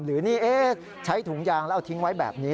หรือนี่ใช้ถุงยางแล้วเอาทิ้งไว้แบบนี้